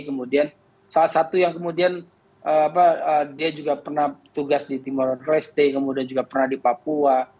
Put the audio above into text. kemudian salah satu yang kemudian dia juga pernah tugas di timur leste kemudian juga pernah di papua